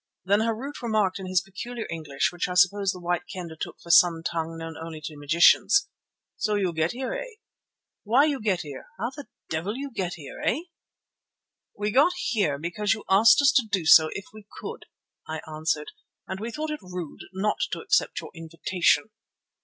Then Harût remarked in his peculiar English, which I suppose the White Kendah took for some tongue known only to magicians: "So you get here, eh? Why you get here, how the devil you get here, eh?" "We got here because you asked us to do so if we could," I answered, "and we thought it rude not to accept your invitation.